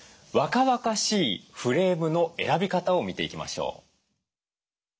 若々しいフレームの選び方を見ていきましょう。